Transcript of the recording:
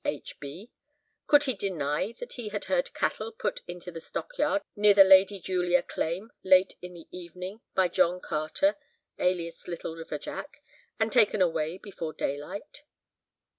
H. B."? Could he deny that he had heard cattle put into the stockyard near the "Lady Julia" claim late in the evening, by John Carter (alias "Little River Jack"), and taken away before daylight?